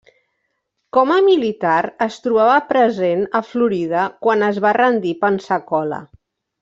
Com a militar es trobava present a Florida quan es va rendir Pensacola.